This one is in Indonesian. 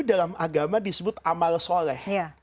dalam agama disebut amal soleh